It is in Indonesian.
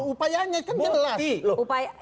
upayanya kan jelas